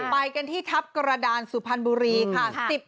ไปกันที่ทัพกรดาวล์สุภารบุรีค่ะ